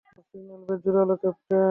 ওর signal বেশ জোরালো, captain.